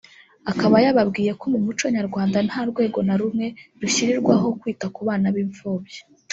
akaba yababwiye ko mu Muco Nyarwanda “Nta rwego na rumwe rushyirirwaho kwita ku bana b’impfubyi